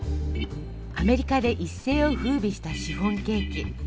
アメリカで一世を風靡したシフォンケーキ。